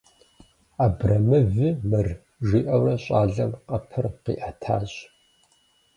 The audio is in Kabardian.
Абрэмыви мыр, - жиӏэурэ щӏалэм къэпыр къиӏэтащ.